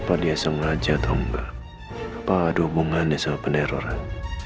pada sengaja atau enggak padu bunganya soal peneroran